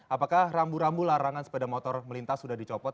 apakah rambu rambu larangan sepeda motor melintas sudah dicopot